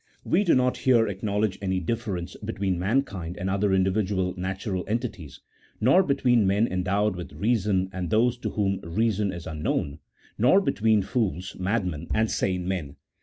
"We do not here acknowledge any difference between mankind and other individual natural entities, nor between men endowed with reason and those to whom reason is unknown ; nor between fools, madmen, and sane men.